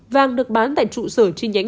vàng được bán tại trụ sở chi nhánh